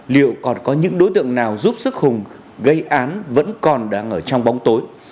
liệu còn có những đối tượng nào giúp sức hùng gây án vẫn còn đang ở trong bóng tối